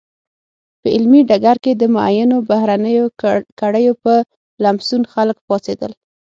په علمي ډګر کې د معینو بهرنیو کړیو په لمسون خلک پاڅېدل.